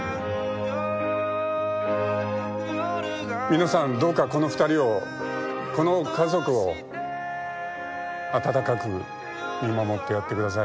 皆さんどうかこの２人をこの家族を温かく見守ってやってください。